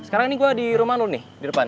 sekarang ini gue di rumah dulu nih di depan